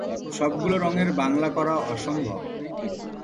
সবগুলো রঙের বাংলা করা অসম্ভব।